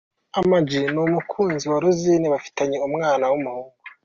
Ama-G n’umukunzi we Rosine bafitanye umwana w’umuhungu.